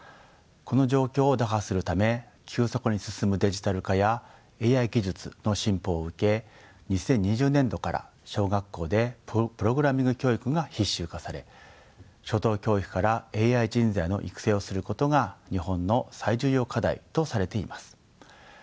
この状況を打破するため急速に進むデジタル化やＡＩ技術の進歩を受け２０２０年度から小学校でプログラミング教育が必修化され初等教育からＡＩ人材の育成をすることが日本の最重要課題とされています。